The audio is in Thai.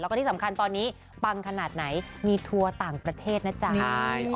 แล้วก็ที่สำคัญตอนนี้ปังขนาดไหนมีทัวร์ต่างประเทศนะจ๊ะ